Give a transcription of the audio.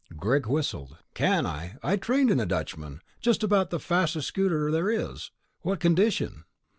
Greg whistled. "Can I? I trained in a Dutchman ... just about the fastest scouter there is. What condition?"